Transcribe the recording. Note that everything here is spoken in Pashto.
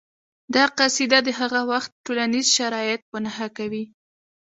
دا قصیده د هغه وخت ټولنیز شرایط په نښه کوي